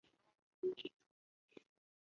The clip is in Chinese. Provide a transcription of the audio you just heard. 不过它在阿拉伯语中的发音则是。